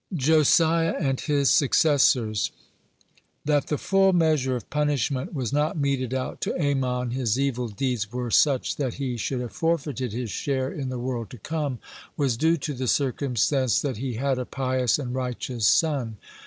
JOSIAH AND HIS SUCCESSORS That the full measure of punishment was not meted out to Amon his evil deeds were such that he should have forfeited his share in the world to come was due to the circumstance that he had a pious and righteous son.